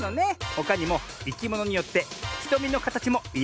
ほかにもいきものによってひとみのかたちもいろいろなんだね。